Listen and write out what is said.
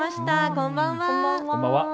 こんばんは。